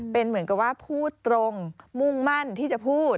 เป็นเหมือนกับว่าพูดตรงมุ่งมั่นที่จะพูด